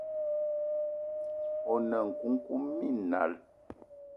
One nkoukouma minal